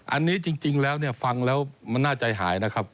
อันนี้จริงแล้วเนี่ยฟังแล้วมันน่าใจหายนะครับ